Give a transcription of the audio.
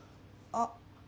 あっ。